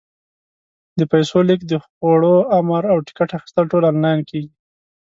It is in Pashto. د پیسو لېږد، د خوړو امر، او ټکټ اخیستل ټول آنلاین کېږي.